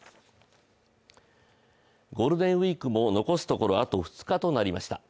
ゴールデンウイークも残すところあと２日となりました。